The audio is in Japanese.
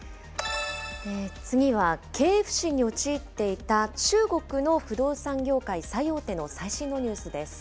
次は経営不振に陥っていた中国の不動産業界最大手の最新のニュースです。